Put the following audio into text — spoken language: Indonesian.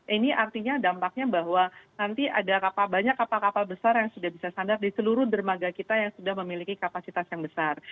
ini artinya dampaknya bahwa nanti ada banyak kapal kapal besar yang sudah bisa standar di seluruh dermaga kita yang sudah memiliki kapasitas yang besar